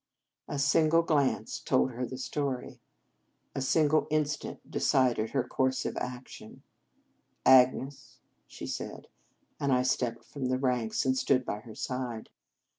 A single glance told her the stor} 7 . A single instant decided her course of action. "Agnes," she said, and I stepped from the ranks, and stood by her side.